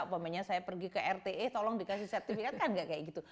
saya pergi ke rte tolong dikasih sertifikat kan gak kayak gitu